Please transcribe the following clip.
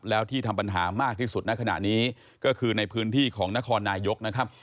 แล้วที่ทำปัญหามากที่สุดในขณะนี้ก็คือในพื้นที่ของนครนายกนะครับ